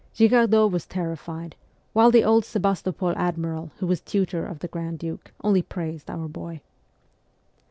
Girardot was terrified, while the old Sebastopol admiral who was tutor of the grand duke only praised our boy.